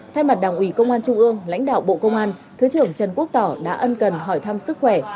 thay mặt đảng ủy công an trung ương lãnh đạo bộ công an thứ trưởng trần quốc tỏ đã ân cần hỏi thăm sức khỏe